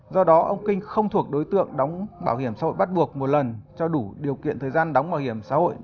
do đó ông kinh không thuộc đối tượng đóng bảo hiểm xã hội bắt buộc một lần cho đủ điều kiện thời gian đóng bảo hiểm xã hội